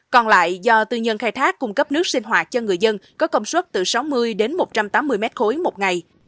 còn lại do tư nhân khai thác cung cấp nước sinh hoạt cho người dân có công suất từ sáu mươi đến một trăm tám mươi m ba một ngày